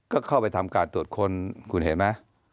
ก็เข้าไปทำการตรวจค้นคุณเห็นไหม